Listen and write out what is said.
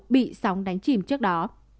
bị sóng đánh chìm trước đó